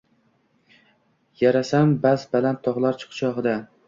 Yayrasam bas baland togʼlar quchogʼida!